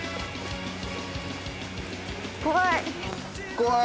怖い。